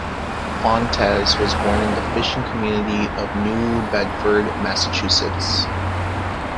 Fontes was born in the fishing community of New Bedford, Massachusetts.